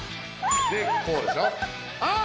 でこうでしょ？あっ！